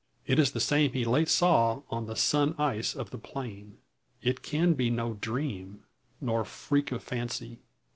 It is the same he late saw on the sun ice of the plain! It can be no dream, nor freak of fancy.